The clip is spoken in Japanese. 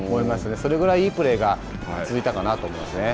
それぐらいいいプレーが続いたかなと思いますね。